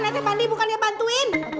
nanti bandi bukannya bantuin